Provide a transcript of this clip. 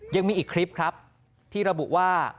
ยังมีอีกคลิปครับที่ระบุว่า